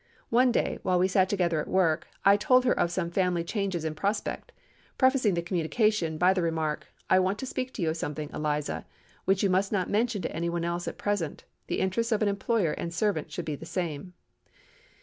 One day, while we sat together at work, I told her of some family changes in prospect, prefacing the communication by the remark, 'I want to speak to you of something, Eliza, which you must not mention to any one else at present. The interests of an employer and a servant should be the same.